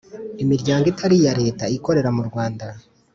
Imiryango itari iya Leta ikorera mu Rwanda